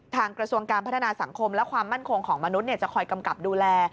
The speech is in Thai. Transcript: กระทรวงการพัฒนาสังคมและความมั่นคงของมนุษย์จะคอยกำกับดูแล